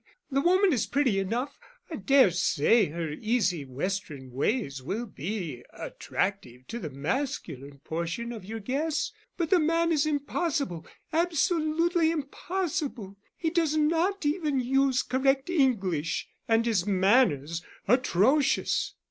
The woman is pretty enough, and I dare say her easy Western ways will be attractive to the masculine portion of your guests. But the man is impossible—absolutely impossible! He does not even use correct English, and his manners—atrocious!"